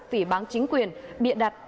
phỉ bán chính quyền bịa đặt